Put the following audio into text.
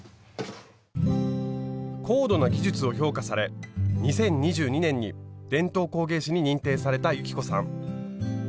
高度な技術を評価され２０２２年に伝統工芸士に認定された雪子さん。